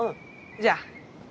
じゃあ。